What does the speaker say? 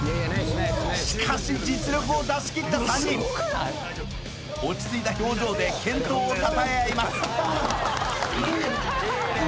しかし実力を出し切った３人落ち着いた表情で健闘をたたえ合います